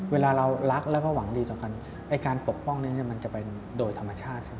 เวลาเรารักแล้วก็หวังดีต่อกันไอ้การปกป้องนี้มันจะเป็นโดยธรรมชาติใช่ไหม